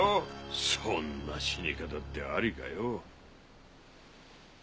そんな死に方ってありかよ。